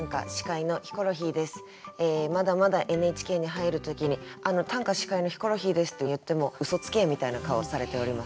まだまだＮＨＫに入る時に「あの『短歌』司会のヒコロヒーです」って言っても「うそつけ！」みたいな顔をされております